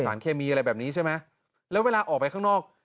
เคมีอะไรแบบนี้ใช่ไหมแล้วเวลาออกไปข้างนอก